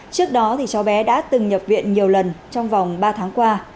trước đó cháu bé đã từng nhập viện nhiều lần trong vòng ba tháng qua